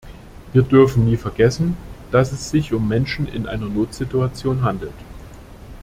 Wir dürfen nie vergessen, dass es sich um Menschen in einer Notsituation handelt.